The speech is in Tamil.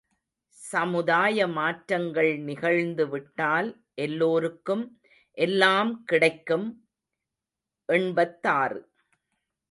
சமுதாய மாற்றங்கள் நிகழ்ந்துவிட்டால் எல்லோருக்கும் எல்லாம் கிடைக்கும்! எண்பத்தாறு.